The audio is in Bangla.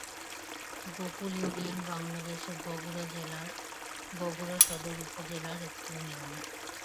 গোকুল ইউনিয়ন বাংলাদেশের বগুড়া জেলার বগুড়া সদর উপজেলার একটি ইউনিয়ন।